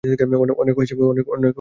অনেক হয়েছে, মেয়ে!